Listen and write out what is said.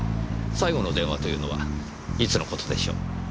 最後の電話というのはいつの事でしょう？